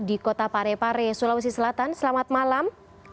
di kota parepare sulawesi selatan selamat malam